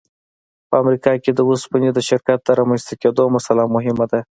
په امریکا کې د اوسپنې د شرکت د رامنځته کېدو مسأله مهمه ده